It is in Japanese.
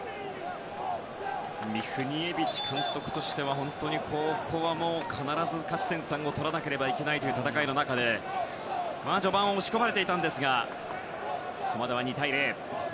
ミフニエビチ監督としてはここは必ず勝ち点３を取らなければいけないという戦いの中で序盤、押し込まれてたんですがここまでは２対０。